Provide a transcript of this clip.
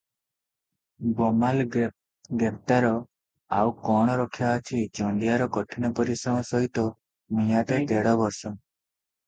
ବମାଲ ଗ୍ରେପ୍ତାର, ଆଉ କଣ ରକ୍ଷା ଅଛି, ଚଣ୍ଡିଆର କଠିନ ପରିଶ୍ରମ ସହିତ ମିଆଦ ଦେଢ଼ ବର୍ଷ ।